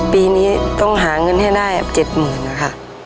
ปีนี้ต้องหาเงินให้ได้๗๐๐๐นะคะ